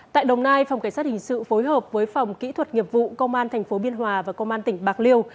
tại đồng nai phòng cảnh sát hình sự phối hợp với phòng kỹ thuật nghiệp vụ công an tp biên hòa và công an tỉnh bạc liêu